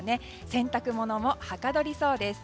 洗濯物もはかどりそうです。